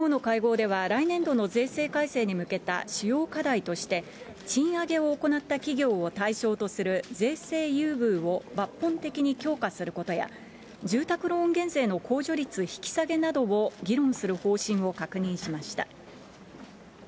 きょうの会合では来年度の税制改正に向けた主要課題として、賃上げを行った企業を対象とする税制優遇を抜本的に強化することや、住宅ローン減税の控除率引き下げなどを議論する方針を確認しました。